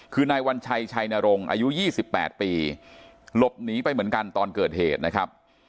คือนายวัญชัยชัยนรงค์อายุ๒๘ปีหลบหนีไปเหมือนกันตอนเกิดเหตุนะครับ